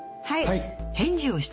はい。